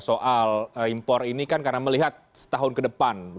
soal impor ini kan karena melihat setahun ke depan